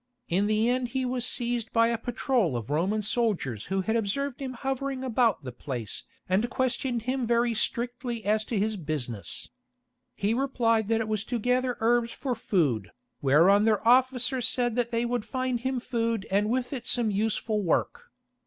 In the end he was seized by a patrol of Roman soldiers who had observed him hovering about the place and questioned him very strictly as to his business. He replied that it was to gather herbs for food, whereon their officer said that they would find him food and with it some useful work.